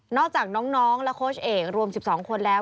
จากน้องและโค้ชเอกรวม๑๒คนแล้ว